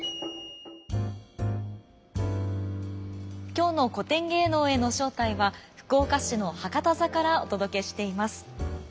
今日の「古典芸能への招待」は福岡市の博多座からお届けしています。